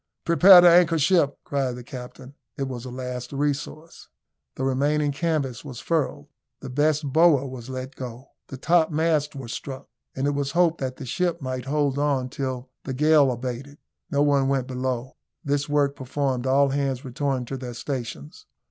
"Prepare to anchor ship!" cried the captain. It was a last resource. The remaining canvas was furled. The best bower was let go; the topmasts were struck; and it was hoped that the ship might hold on till the gale abated. No one went below. This work performed, all hands returned to their stations.